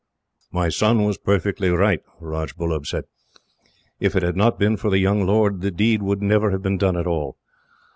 "My son was perfectly right," Rajbullub said. "If it had not been for the young lord, the deed would never have been done at all.